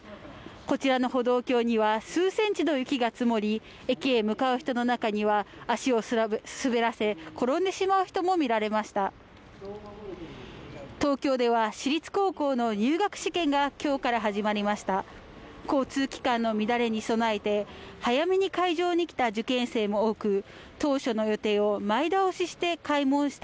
こちらの歩道橋には数センチの雪が積もり駅へ向かう人の中には足を滑らせ転んでしまう人も見られました